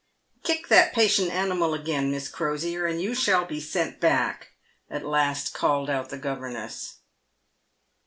" Kick that patient animal again, Miss Crosier, and you shall be sent back," at last called out the governess.